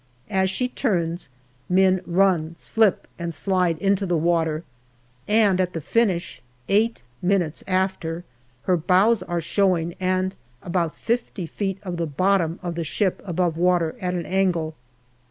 As she turns, men run, slip, and slide into the water, and at the finish, eight minutes after, her bows are showing and about fifty feet of the bottom of the ship above water at an angle.